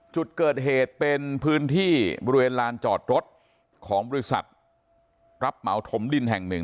จุดเกิดเหตุเป็นพื้นที่บริเวณลานจอดรถของบริษัทรับเหมาถมดินแห่งหนึ่ง